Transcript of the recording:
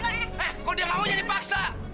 eh kok dia lalu jadi paksa